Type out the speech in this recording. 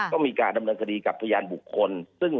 ก็มีการดำเนินคดีกับพยานบุคคล